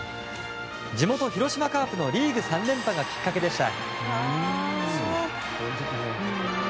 地元・広島カープのリーグ３連覇がきっかけでした。